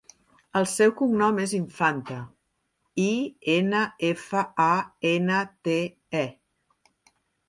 El seu cognom és Infante: i, ena, efa, a, ena, te, e.